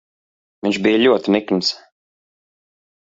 Viņš bija ļoti nikns.